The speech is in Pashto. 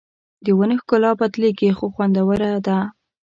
د ونو ښکلا بدلېږي خو خوندوره ده